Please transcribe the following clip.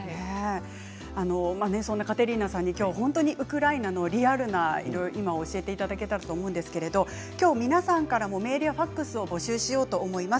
そんなカテリーナさんに今日ウクライナのリアル教えていただけたらと思うんですけど今日皆さんからもメールやファックスを募集しようと思います。